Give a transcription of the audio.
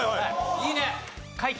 いいねえ。